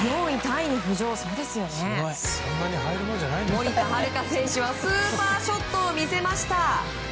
森田遥選手はスーパーショットを見せました。